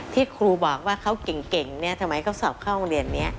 ที่ครูบอกว่าเขาเก่งทำไมเขาสอบเข้าโรงเรียนนี้